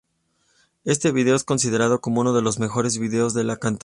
Este video es considerado como uno de los mejores videos de la cantante.